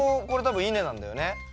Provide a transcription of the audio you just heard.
これ多分稲なんだよね